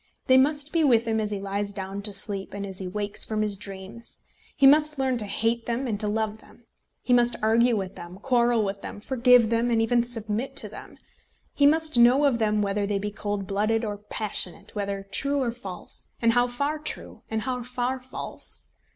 They must be with him as he lies down to sleep, and as he wakes from his dreams. He must learn to hate them and to love them. He must argue with them, quarrel with them, forgive them, and even submit to them. He must know of them whether they be cold blooded or passionate, whether true or false, and how far true, and how far false.